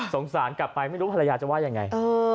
สารกลับไปไม่รู้ภรรยาจะว่ายังไง